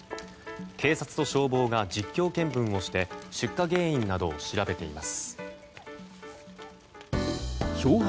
警察と消防が実況見分をして出火原因などを調べています。